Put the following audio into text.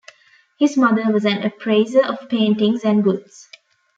His mother was an appraiser of paintings and goods.